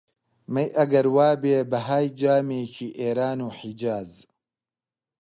مەی ئەگەر وا بێ بەهای جامێکی، ئێران و حیجاز